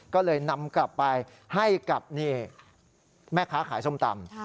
ก็เลยนำกลับไปให้กับแม่ค้าขายส้มตำ